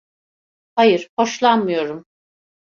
Hayır, hoşlanmıyorum.